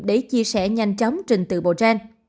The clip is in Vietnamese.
để chia sẻ nhanh chóng trình tự bộ gen